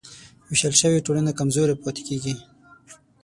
وېشل شوې ټولنه کمزورې پاتې کېږي.